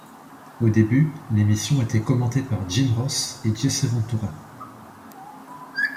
Au début, l'émission était commentée par Jim Ross et Jesse Ventura.